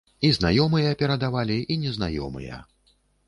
І знаёмыя перадавалі, і незнаёмыя.